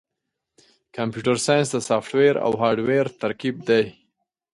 کمپیوټر ساینس د سافټویر او هارډویر ترکیب دی.